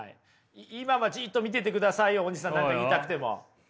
今はじっと見ててくださいよ大西さん。何か言いたくても。